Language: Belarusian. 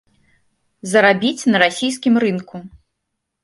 Зарабіць на расійскім рынку.